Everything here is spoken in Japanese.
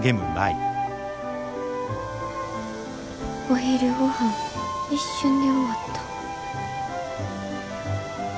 お昼ごはん一瞬で終わった。